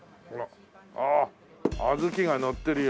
あああずきがのってるよ。